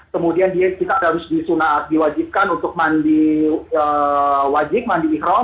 kemudian dia harus disunat diwajibkan untuk mandi wajib mandi ikhrom